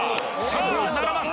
さあ７万